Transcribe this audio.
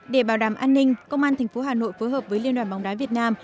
để bảo đảm an ninh công an tp hà nội phối hợp với liên đoàn bóng đá việt nam